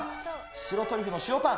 白トリュフの塩パン。